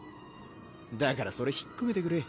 だからそれ引っこめてくれ。